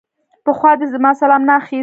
پخوا دې زما سلام نه اخيست.